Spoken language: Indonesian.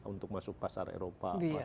untuk masuk pasar eropa